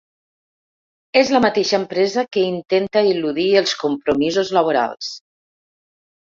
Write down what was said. És la mateixa empresa que intenta eludir els compromisos laborals.